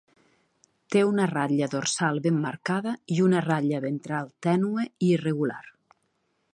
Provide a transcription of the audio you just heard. Té una ratlla dorsal ben marcada i una ratlla ventral tènue i irregular.